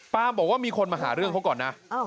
บอกว่ามีคนมาหาเรื่องเขาก่อนนะ